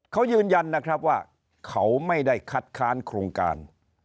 เขายืนยันนะครับว่าเขาไม่ได้คัดค้านโครงการ